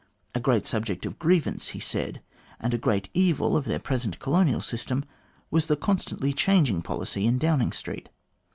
A great subject of grievance, he said, and a great evil of their present colonial system, was the constantly changing policy in Downing Street.